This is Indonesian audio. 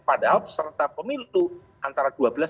padahal peserta pemilu itu antara dua